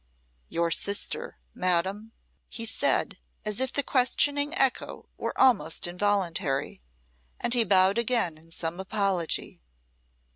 "Your sister, madam?" he said, as if the questioning echo were almost involuntary, and he bowed again in some apology.